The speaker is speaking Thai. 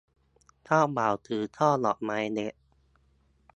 เจ้าบ่าวถือช่อดอกไม้เล็ก